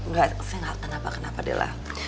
gak saya gak kenapa kenapa dela